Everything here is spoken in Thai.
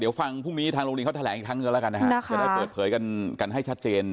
เดี๋ยวฟังพรุ่งนี้